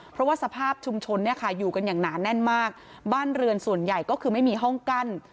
เพราะว่าสภาพชุมชนเนี่ยค่ะอยู่กันอย่างหนาแน่นมากบ้านเรือนส่วนใหญ่ก็คือไม่มีห้องกั้น